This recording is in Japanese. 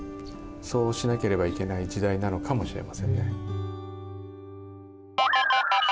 そうしなければいけない時代なのかもしれませんね。